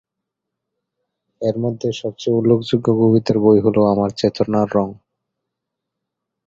এর মধ্যে সব চেয়ে উল্লেখযোগ্য কবিতার বই হল "আমার চেতনার রঙ"।